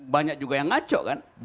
banyak juga yang ngaco kan